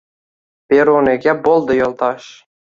Beruniyga boʼldi yoʼldosh.